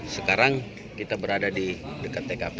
sekarang kita berada di dekat tkp